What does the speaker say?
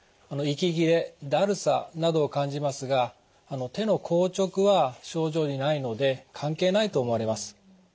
息切れだるさなどを感じますが手の硬直は症状にないので関係ないと思われます。